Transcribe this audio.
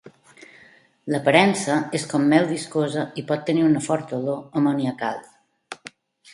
L'aparença és com mel viscosa i pot tenir una forta olor amoniacal.